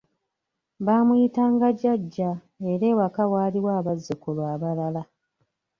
Baamuyitanga 'jjajja' era ewaka waaliwo abazzukulu abalala.